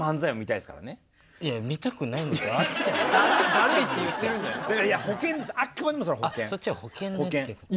だるいって言ってるんじゃないですか。